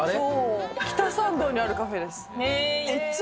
北参道にあるカフェです。